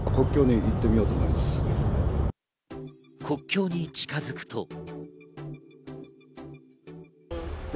国境に近づくと。